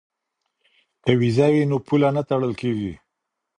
که ویزه وي نو پوله نه تړل کیږي.